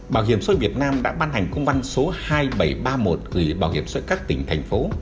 bảo hiểm sôi việt nam đã ban hành công văn số hai nghìn bảy trăm ba mươi một gửi bảo hiểm sôi các tỉnh thành phố